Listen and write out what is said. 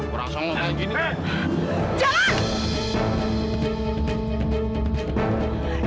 brling bened emang gitu kan